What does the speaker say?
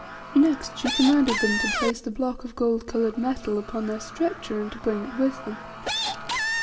Next she commanded them to place the block of gold coloured metal upon their stretcher and to bring it with them.